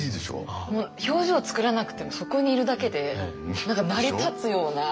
もう表情作らなくてもそこにいるだけで何か成り立つような。